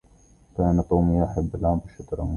كان توم يحب لعب الشطرنج